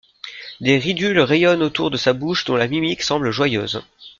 Des ridules rayonnent autour de sa bouche dont la mimique semble joyeuse.